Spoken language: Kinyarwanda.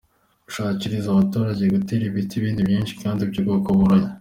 a. Gushishikariza abaturage gutera ibiti byinshi kandi by’ubwoko bunyuranye ;